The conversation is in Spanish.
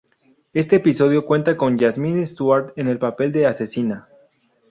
Este episodio cuenta con Jazmín Stuart, en el papel de asesina.